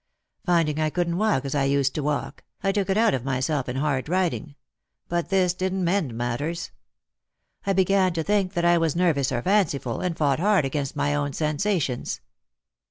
Finding I couldn't walk as I used to walk, I took it out of myself in hard riding ; but this didn't mend matters. I began to think that I was nervous or fanciful, and fought hard, against my own sensations.